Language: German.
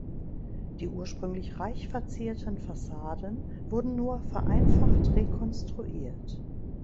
Die ursprünglich reich verzierten Fassaden wurden nur vereinfacht rekonstruiert.